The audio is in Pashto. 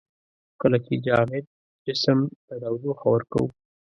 کله چې جامد جسم ته تودوخه ورکوو.